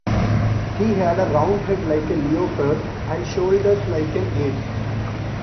He had a round head like a leopard and shoulders like an ape's.